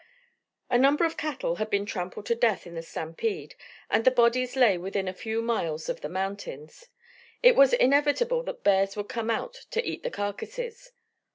A number of cattle had been trampled to death in the stampede, and the bodies lay within a few miles of the mountains. It was inevitable that bears would come out to eat the carcasses.